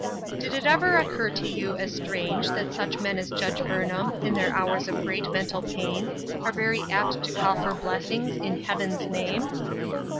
Did it ever occur to you as strange that such men as Judge Burnham, in their hours of great mental pain, are very apt to call for blessings in " heaven's name